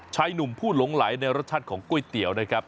ชายหนุ่มผู้หลงไหลในรสชาติของก๋วยเตี๋ยวนะครับ